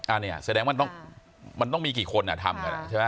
อันนี้แสดงว่ามันต้องมีกี่คนทำ